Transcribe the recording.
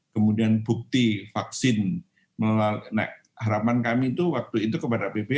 kemudian bukti vaksin harapan kami itu waktu itu kepada pp